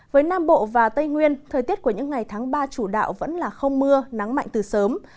với nam bộ và tây nguyên thời tiết của những ngày tháng ba chủ đạo vẫn là không mưa nắng mạnh từ sớm